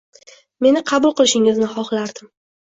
Meni qabul qilishingizni xohlardim.